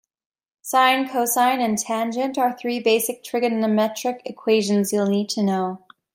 Sine, cosine and tangent are three basic trigonometric equations you'll need to know.